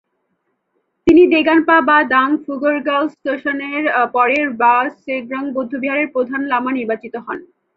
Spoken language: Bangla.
তিনি দ্গোন-পা-বা-দ্বাং-ফ্যুগ-র্গ্যাল-ম্ত্শানের পরে র্বা-স্গ্রেং বৌদ্ধবিহারে প্রধান লামা নির্বাচিত হন।